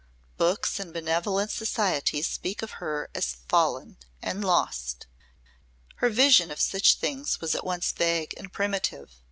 Books and Benevolent Societies speak of her as "fallen" and "lost." Her vision of such things was at once vague and primitive.